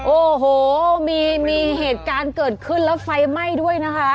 โอ้โหมีเหตุการณ์เกิดขึ้นแล้วไฟไหม้ด้วยนะคะ